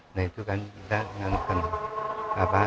nah itu kan kita dengan apa